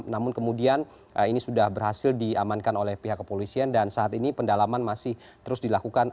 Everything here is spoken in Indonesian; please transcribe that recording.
namun kemudian ini sudah berhasil diamankan oleh pihak kepolisian dan saat ini pendalaman masih terus dilakukan